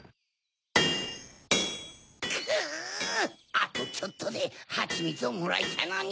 あとちょっとでハチミツをもらえたのに。